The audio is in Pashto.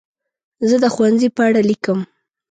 زه د ښوونځي په اړه لیکم.